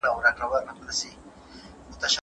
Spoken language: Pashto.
ایا ته د مطالعې لپاره ځانګړی وخت لرې؟